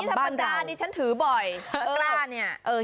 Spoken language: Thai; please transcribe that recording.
อันนี้สัปดาห์นี่ฉันถือบ่อยตะกร้าเนี่ย